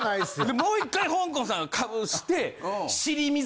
でもう１回ほんこんさんがかぶして尻見